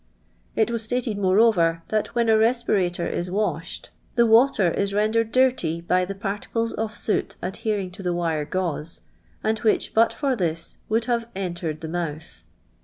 | It was stated, moreover, that when a respirator is washed, the water is rendered dirty by the par | tides of soot adhering to the wire gauze, and ' which, but for this, would have entered the month.